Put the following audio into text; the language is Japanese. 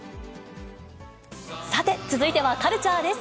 さて、続いてはカルチャーです。